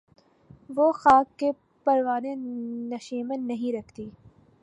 وہ خاک کہ پروائے نشیمن نہیں رکھتی